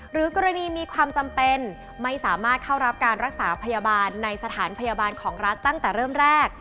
หรือกรณีมีความจำเป็นไม่สามารถเข้ารับการรักษาพยาบาลในสถานพยาบาลของรัฐตั้งแต่เริ่มแรก